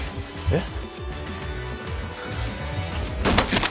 えっ？